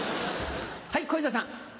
はい小遊三さん。